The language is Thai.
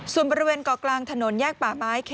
ส่วนบริเวณเกาะกลางถนนแยกป่าไม้